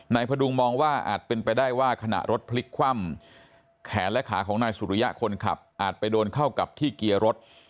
พดุงมองว่าอาจเป็นไปได้ว่าขณะรถพลิกคว่ำแขนและขาของนายสุริยะคนขับอาจไปโดนเข้ากับที่เกียร์รถ